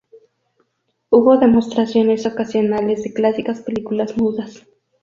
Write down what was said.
Hubo demostraciones ocasionales de clásicas películas mudas.